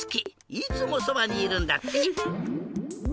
いつもそばにいるんだって。